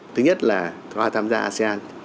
thứ nhất là qua tham gia asean